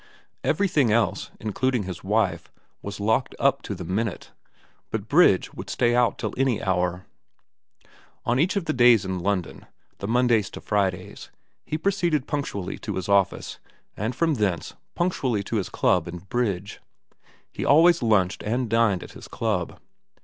Everything else, including his wife, was locked up to the minute ; but bridge would stay out till any hour. On each of the days in London, the Mondays to Fridays, he proceeded punctually to his office, and from thence punctually to his club and bridge. He always lunched and dined at his club.